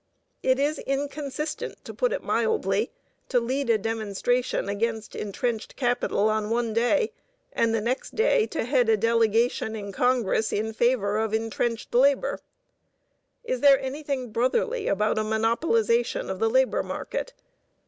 It is inconsistent, to put it mildly, to lead a demonstration against entrenched capital on one day, and the next day to head a delegation in Congress in favor of entrenched labor. Is there anything brotherly about a monopolization of the labor market?